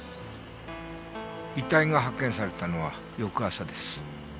遺体が発見されたのは翌朝です。